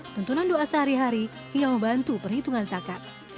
tentuan doa sehari hari yang membantu perhitungan zakat